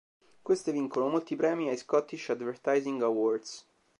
Queste vincono molti premi ai "Scottish Advertising Awards".